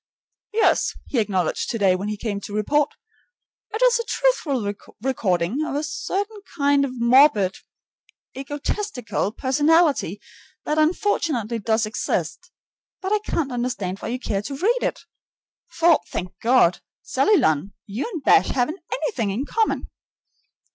"Yes," he acknowledged today when he came to report, "it is a truthful record of a certain kind of morbid, egotistical personality that unfortunately does exist. But I can't understand why you care to read it; for, thank God! Sally Lunn, you and Bash haven't anything in common."